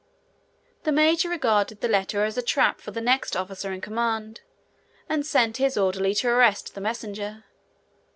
The major regarded the letter as a trap for the next officer in command, and sent his orderly to arrest the messenger.